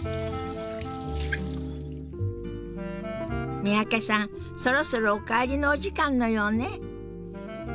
三宅さんそろそろお帰りのお時間のようね。